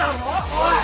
おい！